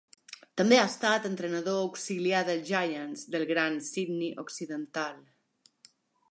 També ha estat entrenador auxiliar dels Giants del gran Sydney occidental.